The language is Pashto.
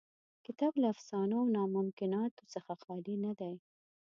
کتاب له افسانو او ناممکناتو څخه خالي نه دی.